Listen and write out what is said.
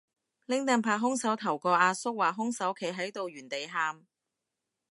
拎櫈拍兇手頭個阿叔話兇手企喺度原地喊